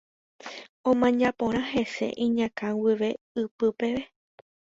Omaña porã hese iñakã guive ipy peve.